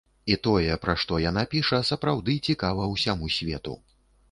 І тое, пра што яна піша, сапраўды цікава ўсяму свету.